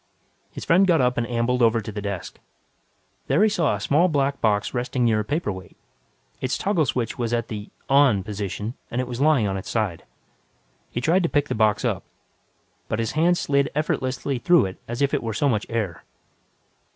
His friend got up and ambled over to the desk. There he saw a small black box resting near a paperweight. Its toggle switch was at the "on" position, and it was lying on its side. He tried to pick the box up, but his hand slid effortlessly through it as if it were so much air.